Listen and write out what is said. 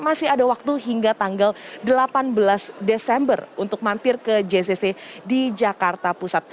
masih ada waktu hingga tanggal delapan belas desember untuk mampir ke jcc di jakarta pusat